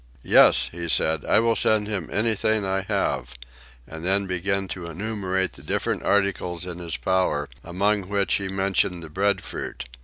"Yes," he said, "I will send him anything I have;" and then began to enumerate the different articles in his power, among which he mentioned the breadfruit.